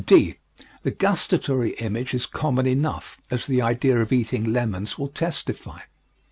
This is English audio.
(d) The gustatory image is common enough, as the idea of eating lemons will testify.